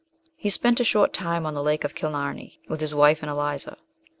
He spent a short time on the Lake of Killaruey, with his wife and Eliza.